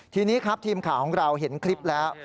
ทีนี้ครับทีมข่าวของเราเห็นคลิปแล้ว